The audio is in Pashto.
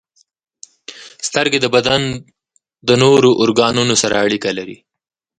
• سترګې د بدن د نورو ارګانونو سره اړیکه لري.